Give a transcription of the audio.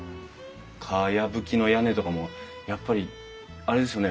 かやぶきの屋根とかもやっぱりあれですよね。